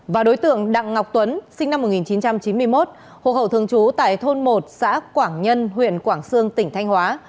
và đối tượng đặng ngọc tuấn sinh năm một nghìn chín trăm chín mươi một hộ khẩu thường trú tại thôn một xã quảng nhân huyện quảng sương tỉnh thanh hóa